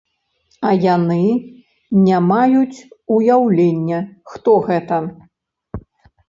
А яны не маюць уяўлення, хто гэта!